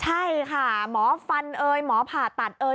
ใช่ค่ะหมอฟันเอ่ยหมอผ่าตัดเอย